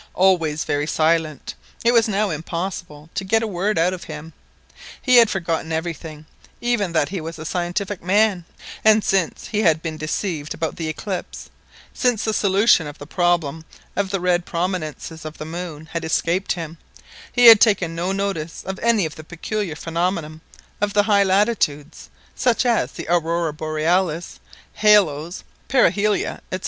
Always very silent, it was now impossible to get a word out of him. He had forgotten everything, even that he was a scientific man, and since he had been deceived about the eclipse, since the solution of the problem of the red prominences of the moon had escaped him, he had taken no notice of any of the peculiar phenomena of the high latitudes, such as the Aurora Borealis, halos, parhelia, &c.